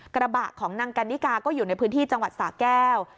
กระบะของนางกันนิกาก็อยู่ในพื้นที่จังหวัดสาแก้ว